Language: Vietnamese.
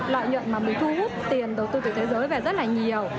lợi nhuận mà mình thu hút tiền đầu tư từ thế giới về rất là nhiều